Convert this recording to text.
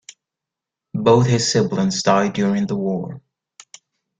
Both his siblings died during the war.